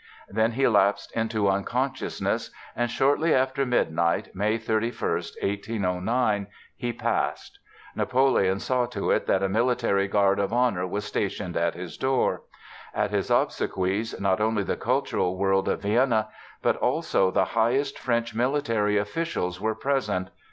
Then he lapsed into unconsciousness and shortly after midnight, May 31, 1809, he passed. Napoleon saw to it that a military guard of honor was stationed at his door. At his obsequies not only the cultural world of Vienna but also the highest French military officials were present.